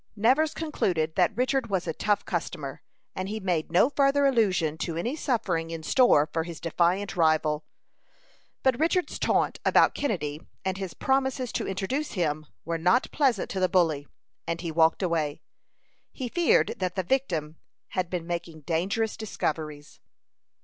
Nevers concluded that Richard was a tough customer, and he made no further allusion to any suffering in store for his defiant rival. But Richard's taunt about Kennedy, and his promises to introduce him, were not pleasant to the bully, and he walked away. He feared that the victim had been making dangerous discoveries.